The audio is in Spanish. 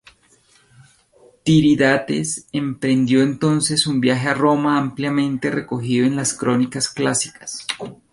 Tiridates emprendió entonces un viaje a Roma ampliamente recogido en las crónicas clásicas.